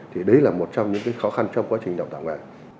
thì đấy là một trong những cái khó khăn trong quá trình đào tạo nghề